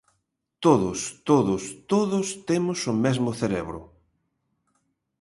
Todos, todos, todos temos o mesmo cerebro.